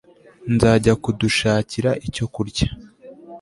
nzajya kudushakira icyo kurya